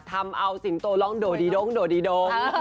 ทำเอาสิงโตร้องโดดีดงโดดีโดง